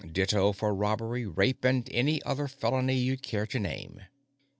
Ditto for robbery, rape, and any other felony you'd care to name.